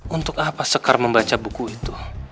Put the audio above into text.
untuk apa sekar membaca buku itu